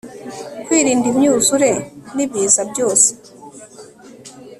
kwirinda imyuzure nibiza byose